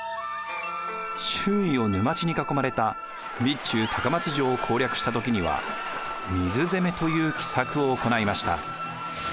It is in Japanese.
周囲を沼地に囲まれた備中高松城を攻略した時には水攻めという奇策を行いました。